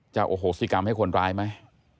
โอโหสิกรรมให้คนร้ายไหม